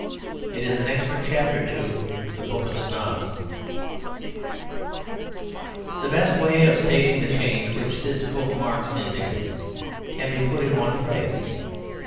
It is an extra chapter to The Book of Snobs. The best way of stating the change which this book marks in Dickens can be put in one phrase.